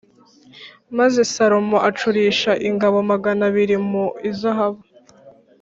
Maze Salomo acurisha ingabo magana abiri mu izahabu